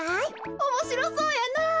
おもしろそうやなあ。